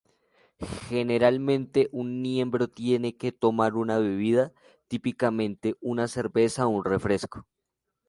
Generalmente un miembro tiene que tomar una bebida, típicamente una cerveza o refresco.